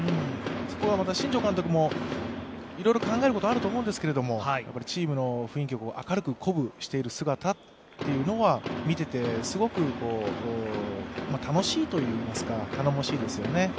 そこがまた新庄監督もいろいろ考えることあると思うんですけどチームの雰囲気を明るく鼓舞している姿は見ていてすごく楽しいといいますか、頼もしいですよね。